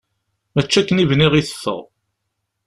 Mačči akken i bniɣ i teffeɣ.